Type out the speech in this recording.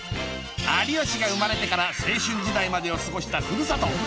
有吉が生まれてから青春時代までを過ごしたふるさと